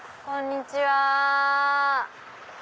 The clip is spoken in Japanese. こんにちは！